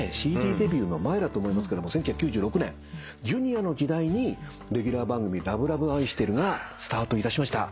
ＣＤデビューの前だと思いますけども１９９６年Ｊｒ．の時代にレギュラー番組『ＬＯＶＥＬＯＶＥあいしてる』がスタートいたしました。